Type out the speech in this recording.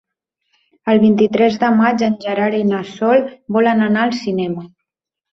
El vint-i-tres de maig en Gerard i na Sol volen anar al cinema.